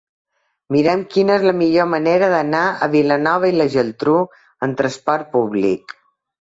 Mira'm quina és la millor manera d'anar a Vilanova i la Geltrú amb trasport públic.